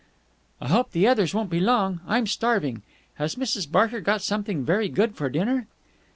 "I hope the others won't be long. I'm starving. Has Mrs. Barker got something very good for dinner?"